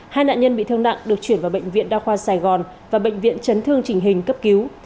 hai nạn nhân bị thương nặng được chuyển vào bệnh viện đa khoa sài gòn và bệnh viện chấn thương trình hình cấp cứu